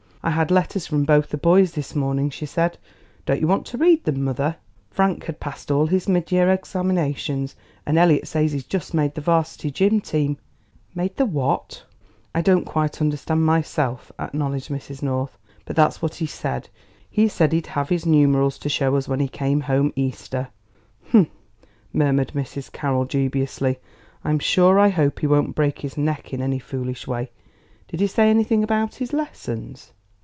"I had letters from both the boys this morning," she said; "don't you want to read them, mother? Frank has passed all his mid year examinations, and Elliot says he has just made the 'varsity gym' team." "Made the what?" "I don't quite understand myself," acknowledged Mrs. North; "but that's what he said. He said he'd have his numerals to show us when he came home Easter." "Hum!" murmured Mrs. Carroll dubiously; "I'm sure I hope he won't break his neck in any foolish way. Did he say anything about his lessons?"